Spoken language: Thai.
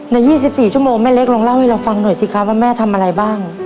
ใน๒๔ชั่วโมงแม่เล็กลองเล่าให้เราฟังหน่อยสิครับว่าแม่ทำอะไรบ้าง